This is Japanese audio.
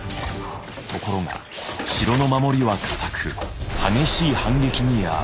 ところが城の守りは堅く激しい反撃にあう。